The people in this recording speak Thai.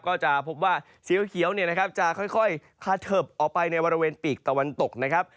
ก็จะพบว่าสีเขียวเนี่ยนะครับจะค่อยคาเทิบออกไปในบริเวณปีกตะวันตกนะครับ